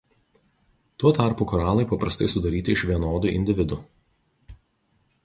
Tuo tarpu koralai paprastai sudaryti iš vienodų individų.